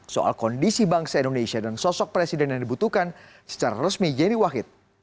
soal kondisi bangsa indonesia dan sosok presiden yang dibutuhkan secara resmi yeni wahid